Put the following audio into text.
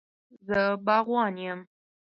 زه باغوان یم